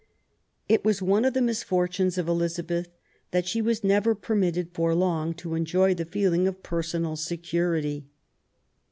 It was one of the misfortunes of Elizabeth that she was never permitted for long to enjoy the feeling of personal security.